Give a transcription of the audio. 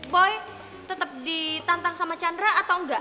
boy tetap ditantang sama chandra atau enggak